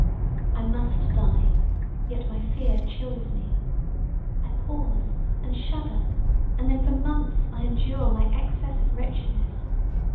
I must die, yet my fear chills me; I pause and shudder and then for months I endure my excess of wretchedness.